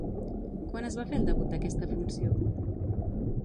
Quan es va fer el debut d'aquesta funció?